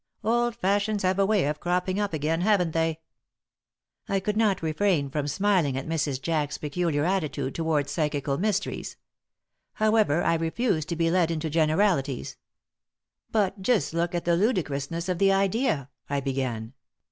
Old fashions have a way of cropping up again, haven't they?" I could not refrain from smiling at Mrs. Jack's peculiar attitude toward psychical mysteries. However, I refused to be led into generalities. "But just look at the ludicrousness of the idea," I began.